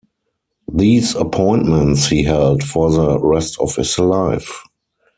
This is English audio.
These appointments he held for the rest of his life.